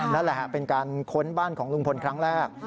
นั่นแหละเป็นการค้นบ้านของลุงพลครั้งแรก